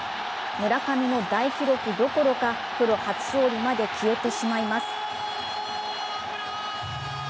村上の大記録どころか、プロ初勝利まで消えてしまいます。